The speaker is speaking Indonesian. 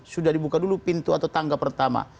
sudah dibuka dulu pintu atau tangga pertama